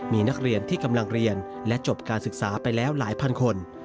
มีนักเรียนที่กำลังเรียนและจบการศึกษาไปแล้วหลายพันคน